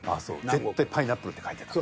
絶対パイナップルって書いてた。